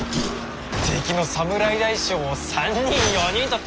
敵の侍大将を３人４人と倒してなあ！